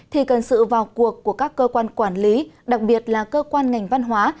thì cần sự vào cuộc của các cơ quan quản lý đặc biệt là cơ quan ngành văn hóa